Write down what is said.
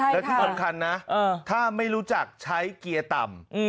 และที่สำคัญนะถ้าไม่รู้จักใช้เกียร์ต่ำ